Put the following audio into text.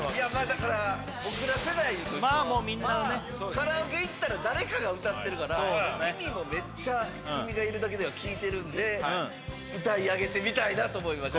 だから僕ら世代としてはまあもうみんなねカラオケ行ったら誰かが歌ってるから耳もめっちゃ「君がいるだけで」は聴いてるんで歌い上げてみたいなと思いました